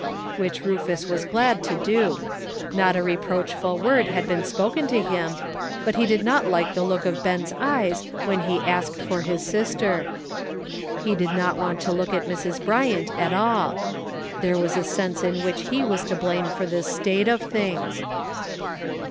Which Rufus was glad to do. Not a re proachful word had been spoken to him, but he did not like the look of Ben's eyes when he asked for his sister. He did not want to look at Mrs. Bryant at all. There was a sense in which he was to blame for this state of things.